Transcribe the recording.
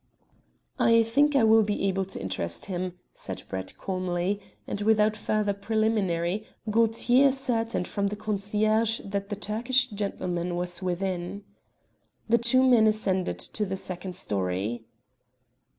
"I think I will be able to interest him," said Brett calmly; and without further preliminary Gaultier ascertained from the concierge that the Turkish gentleman was within. The two men ascended to the second storey.